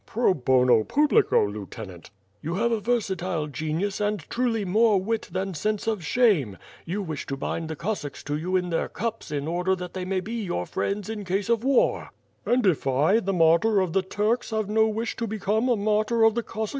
"Pro bono publico, Lieutenant." "You have a versatile genius, and truly more wit than sense of shame. You wish to bind the Cossacks to you in their cups in order that they may be your friends in case of WITB FItiE AND 8W0LD. 107 "And If I, the martyr of the Turks, have no wish to be come a martyr of the Cos8a